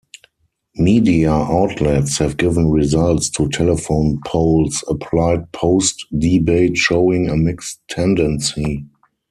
Media outlets have given results to telephone polls applied post-debate showing a mixed tendency.